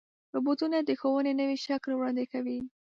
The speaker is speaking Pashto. روبوټونه د ښوونې نوی شکل وړاندې کوي.